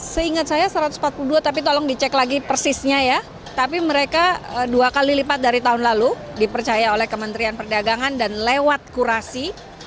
seingat saya satu ratus empat puluh dua tapi tolong dicek lagi persisnya ya tapi mereka dua kali lipat dari tahun lalu dipercaya oleh kementerian perdagangan dan lewat kurasi